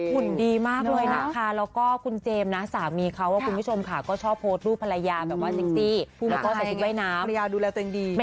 หุ่นดีมากเลยนะคะแล้วก็คุณเจมส์นะสามีเขาว่าคุณผู้ชมค่ะก็ชอบโพสต์รูปภรรยาแบบว่าซิกซี่